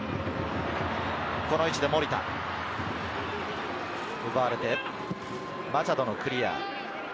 この位置で守田。奪われて、マチャドのクリア。